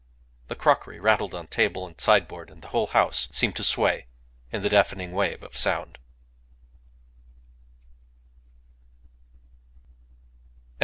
The crockery rattled on table and sideboard, and the whole house seemed to sway in the deafening wave of sound.